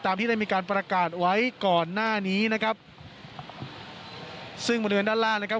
ที่ได้มีการประกาศไว้ก่อนหน้านี้นะครับซึ่งบริเวณด้านล่างนะครับ